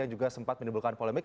yang juga sempat menimbulkan polemik